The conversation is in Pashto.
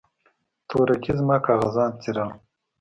تورکي زما کاغذان څيرل.